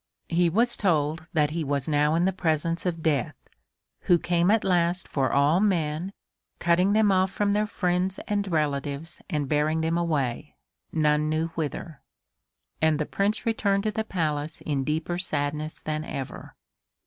He was told that he was now in the presence of Death, who came at last for all men, cutting them off from their friends and relatives and bearing them away, none knew whither. And the Prince returned to the Palace in deeper sadness than ever.